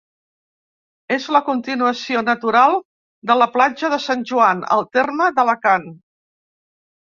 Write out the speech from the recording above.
És la continuació natural de la Platja de Sant Joan, al terme d'Alacant.